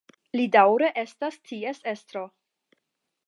Li daŭre estas ties estro.